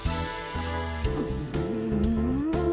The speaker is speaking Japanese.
うん。